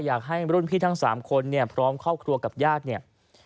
อยากให้รุ่นพี่ทั้ง๓คนพร้อมครอบครัวกับญาติ